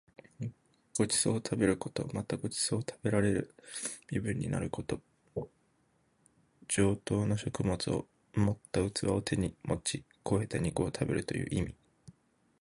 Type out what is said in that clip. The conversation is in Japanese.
ご馳走を食べること。また、ご馳走を食べられる身分になること。上等な食物を盛った器を手に持ち肥えた肉を食べるという意味。